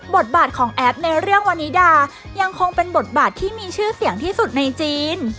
บทบาทของแอฟในเรื่องวานิดายังคงเป็นบทบาทที่มีชื่อเสียงที่สุดในจีน